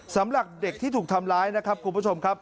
สำหรับเด็กที่ถูกทำร้ายนะครับคุณผู้ชมครับ